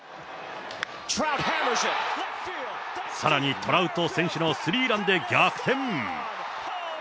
さらにトラウト選手のスリーランで逆転。